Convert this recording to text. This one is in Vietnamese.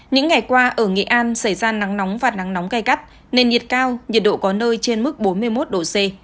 những ngày qua ở nghệ an xảy ra nắng nóng và nắng nóng gai gắt nền nhiệt cao nhiệt độ có nơi trên mức bốn mươi một độ c